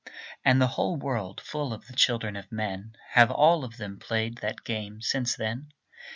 And the whole world full of the children of men, Have all of them played that game since then.